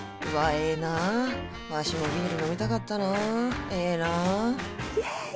ええなわしもビール飲みたかったなええなイエイ！